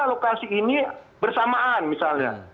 lokasi ini bersamaan misalnya